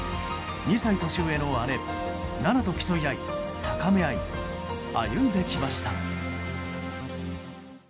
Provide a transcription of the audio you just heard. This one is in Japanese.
２歳年上の姉・菜那と競い合い高め合い、歩んできました。